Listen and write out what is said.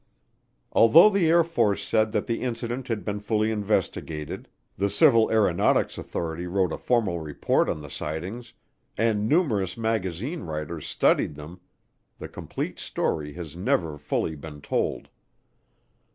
Although the Air Force said that the incident had been fully investigated, the Civil Aeronautics Authority wrote a formal report on the sightings, and numerous magazine writers studied them, the complete story has never fully been told.